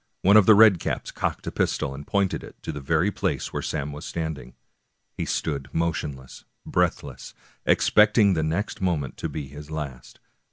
One of the red caps cocked a pistol, and pointed it toward the very place where Sam was standing. He stood motion less, breathless, expecting the next moment to be his last.